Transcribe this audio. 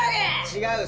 違う。